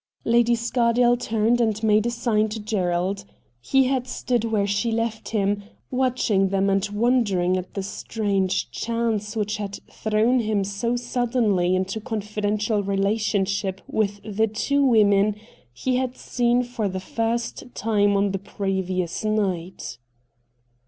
Lady Scardale turned and made a sign to Gerald. He had stood where she left him, watching them and wondering at the strange chance which had thrown him so suddenly into confidential relationship with the two women THE CULTURE COLLEGE 183 he had seen for the first time on the previous night.